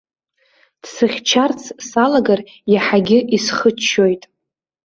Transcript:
Дсыхьчарц салагар, иаҳагьы исхыччоит.